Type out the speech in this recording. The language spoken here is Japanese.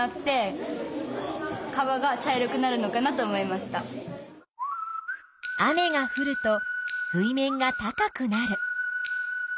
まず雨がふると水面が高くなる。